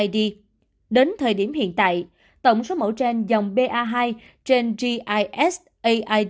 đến thời điểm hiện tại tổng số mẫu gen dòng ba hai trên g i s a